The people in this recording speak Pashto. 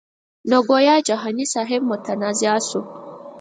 نو ګویا جهاني صاحب متنازعه شو.